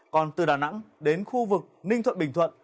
còn từ đà nẵng đến khu vực ninh thuận bình thuận